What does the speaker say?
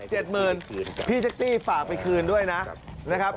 หมื่นพี่แท็กซี่ฝากไปคืนด้วยนะครับ